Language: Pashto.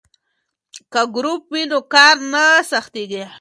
که ګروپ وي نو کار نه سختیږي.